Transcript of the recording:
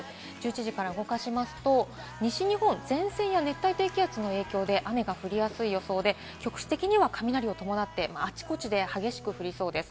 １１時から動かしますと西日本、前線や熱帯低気圧の影響で雨が降りやすい予想で、局地的には雷を伴ってあちこちで激しく降りそうです。